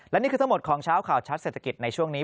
และนี่คือทั้งหมดของเช้าข่าวชัดเศรษฐกิจในช่วงนี้